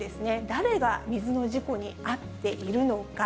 誰が水の事故に遭っているのか。